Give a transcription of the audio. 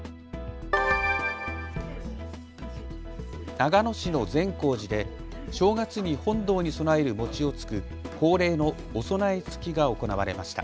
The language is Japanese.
長野市の善光寺で正月に本堂に供える餅をつく、恒例のおそなえつきが行われました。